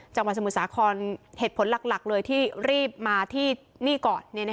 จังหวัดสมุทรสาครเหตุผลหลักเลยที่รีบมาที่นี่ก่อน